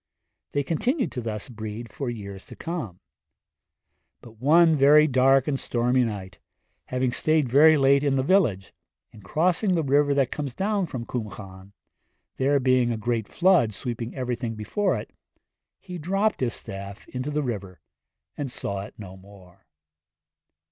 They continued to thus breed for years to come; but one very dark and stormy night, having stayed very late in the village, in crossing the river that comes down from Cwm Llan, there being a great flood sweeping everything before it, he dropped his staff into the river and saw it no more.